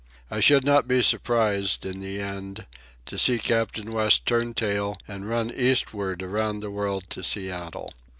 I should not be surprised, in the end, to see Captain West turn tail and run eastward around the world to Seattle.